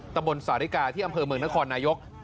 ตะบนสาธิกาที่อำเภอเมืองนครนายก